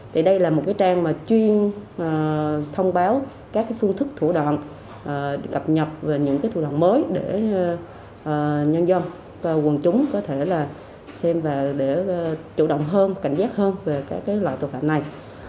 thì đây là một cái trang mà chuyên thông báo các phương thức thủ đoạn cập nhập về những cái thủ đoạn mới để nhân dân và quần chúng có thể là xem và để chủ động hơn cảnh giác hơn về các loại tội phạm này